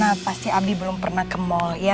karena pasti abi belum pernah ke mall